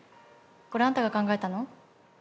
これあんたが考えたの？